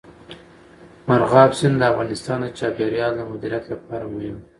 مورغاب سیند د افغانستان د چاپیریال د مدیریت لپاره مهم دی.